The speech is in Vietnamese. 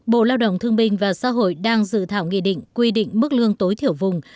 bộ lao động thương minh và xã hội đang dự thảo nghị định quy định mức lương tối thiểu vùng